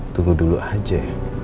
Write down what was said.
tunggu dulu aja